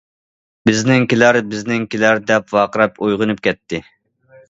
« بىزنىڭكىلەر، بىزنىڭكىلەر!» دەپ ۋارقىراپ ئويغىنىپ كەتتى.